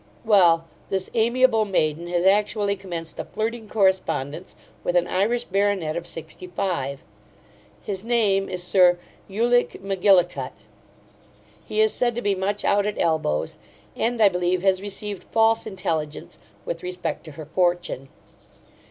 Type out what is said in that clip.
Well, this amiable maiden has actually commenced a flirting correspondence with an Irish baronet of sixty five. His name is Sir Ulic Mackilligut. He is said to be much out at elbows; and, I believe, has received false intelligence with respect to her fortune.